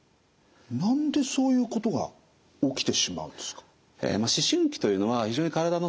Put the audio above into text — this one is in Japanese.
何でそういうことが起きてしまうんですか？